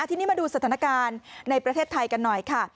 ทีนี้มาดูสถานการณ์ในประเทศไทยกันหน่อยค่ะ